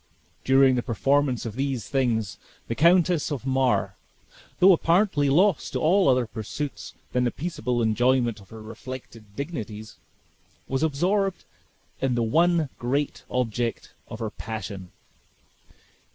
During the performance of these things, the Countess of Mar, though apparently lost to all other pursuits than the peaceable enjoyment of her reflected dignities, was absorbed in the one great object of her passion.